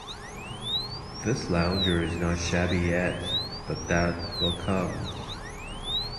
This lounger is not shabby yet, but that will come.